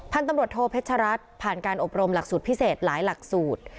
พันธุ์ตำรวจโทเพชรัตน์ผ่านการอบรมหลักสูตรพิเศษหลายหลักสูตร